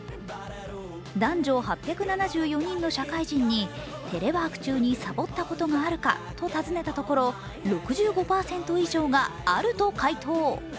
男女８７４人の社会人にテレワーク中にサボったことがあるかと尋ねたところ６５％以上が「ある」と回答。